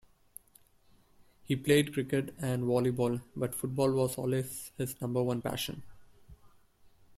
He played cricket and volleyball, but football was always his number one passion.